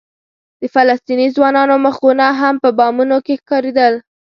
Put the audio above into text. د فلسطیني ځوانانو مخونه هم په بامونو کې ښکارېدل.